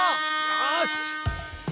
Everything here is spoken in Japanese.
よし！